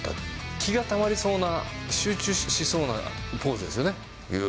気がたまりそうな、集中しそうなポーズですよね。